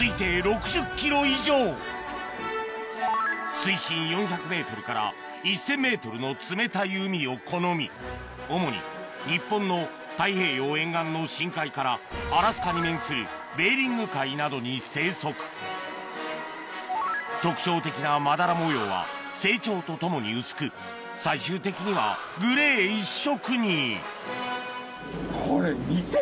水深４００ｍから１０００ｍの冷たい海を好み主に日本の太平洋沿岸の深海からアラスカに面するベーリング海などに生息特徴的なまだら模様は成長とともに薄く最終的にはグレー一色にこれ。